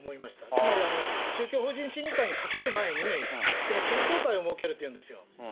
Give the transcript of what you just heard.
つまり宗教法人審議会にかける前に、その検討会を設けるというんですよ。